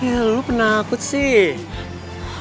ya lo penakut sih